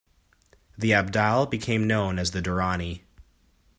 The Abdal became known as the Durrani.